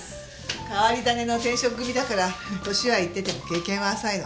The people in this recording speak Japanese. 変り種の転職組だから年はいってても経験は浅いの。